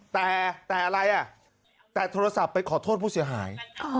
แต่แต่อะไรอ่ะแต่โทรศัพท์ไปขอโทษผู้เสียหาย